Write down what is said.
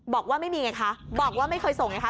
บอกว่าไม่มีไงคะบอกว่าไม่เคยส่งไงคะ